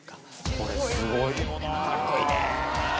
これすごいよな。